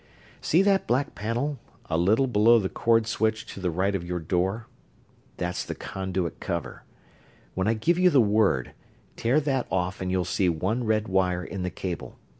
See that black panel, a little below the cord switch to the right of your door? That's the conduit cover. When I give you the word, tear that off and you'll see one red wire in the cable.